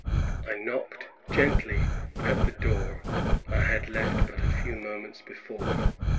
I knocked gently at the door I had left but a few moments before.